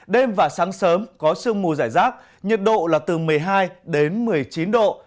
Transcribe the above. đêm và sáng sớm có sương mù giải rác nhiệt độ là từ một mươi hai đến một mươi chín độ